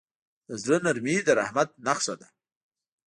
د زړه نرمي د رحمت نښه ده.